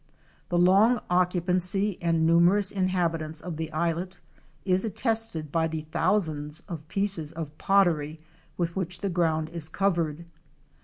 The long occupancy and numerous inhabitants of the islet is attested by the thousands of pieces of pottery with which the ground is covered.